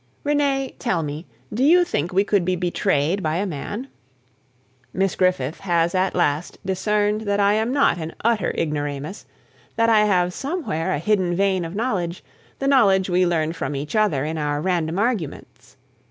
Renee, tell me, do you think we could be betrayed by a man? Miss Griffith has at last discerned that I am not an utter ignoramus, that I have somewhere a hidden vein of knowledge, the knowledge we learned from each other in our random arguments.